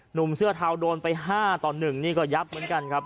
หนุ่มเสื้อเทาโดนไป๕ต่อ๑นี่ก็ยับเหมือนกันครับ